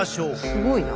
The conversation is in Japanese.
すごいな。